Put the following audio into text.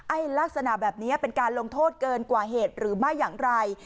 ลักษณะแบบนี้เป็นการลงโทษเกินกว่าเหตุหรือไม่อย่างไร